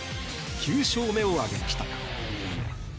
９勝目を挙げました。